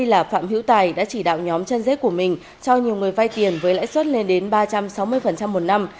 vì là phạm hữu tài đã chỉ đạo nhóm chân dế của mình cho nhiều người vai tiền với lãi suất lên đến ba trăm sáu mươi một năm